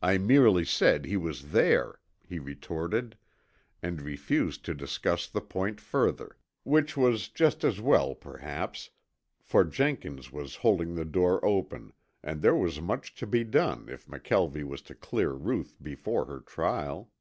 I merely said he was there," he retorted, and refused to discuss the point further, which was just as well perhaps, for Jenkins was holding the door open and there was much to be done if McKelvie was to clear Ruth before her trial.